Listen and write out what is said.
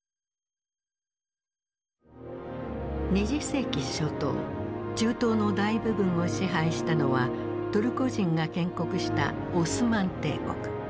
２０世紀初頭中東の大部分を支配したのはトルコ人が建国したオスマン帝国。